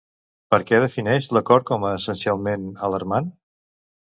Per què defineix l'acord com essencialment alarmant?